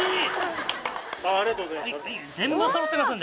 ありがとうございます。